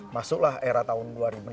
masuklah era tahun dua ribu